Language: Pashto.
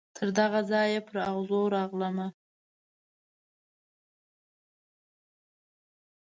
تر دغه ځایه پر اغزو راغلمه